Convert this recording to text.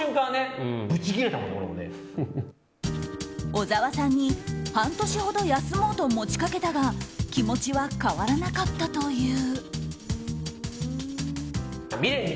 小澤さんに半年ほど休もうと持ちかけたが気持ちは変わらなかったという。